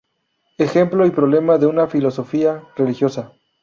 Ejemplo y problema de una filosofía religiosa".